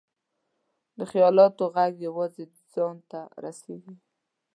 د خیالاتو ږغ یوازې ځان ته رسېږي.